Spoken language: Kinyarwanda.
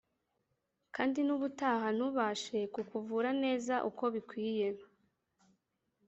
kandi n’ubutaha ntubashe kukuvura neza uko bikwiye.